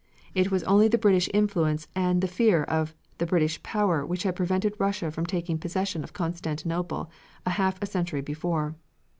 It was only the British influence and the fear of the British power which had prevented Russia from taking possession of Constantinople a half a century before.